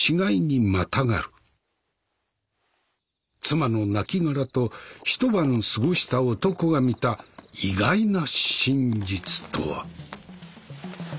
妻の亡骸と一晩過ごした男が見た意外な真実とは。